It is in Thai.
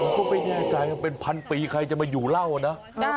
ก็ไม่แน่ใจว่าเป็นพันปีใครจะมาอยู่เล่านะ